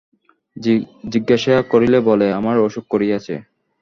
জিজ্ঞাসা করিলে বলে, আমার অসুখ করিয়াছে।